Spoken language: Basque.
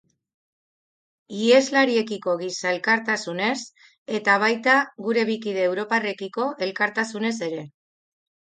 Iheslariekiko giza elkartasunez, eta baita gure bi kide europarrekiko elkartasunez ere.